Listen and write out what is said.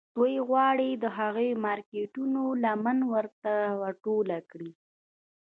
دوی غواړي د هغو مارکیټونو لمن ور ټوله کړي